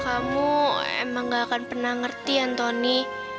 kamu emang gak akan pernah ngerti anthony